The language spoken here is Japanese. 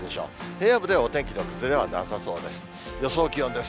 平野部ではお天気の崩れはなさそうです。